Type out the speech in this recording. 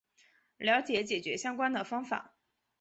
了解解决相关的方法